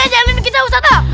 ada yang jalin kita ustadz ah